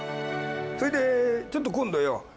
それでちょっと今度よ